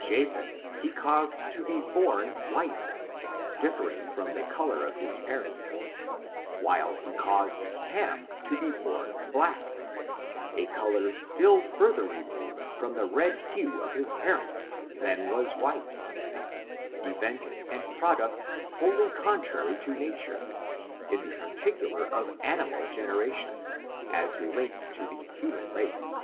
Japheth He caused to be barn white, differing from the color of his parents, while He caused Ham to be bom black, a color still further removed from the red hue of his parents than was white, events and pro ducts wholly contrary to nature, in the particular of animal generation, as relates to the human race.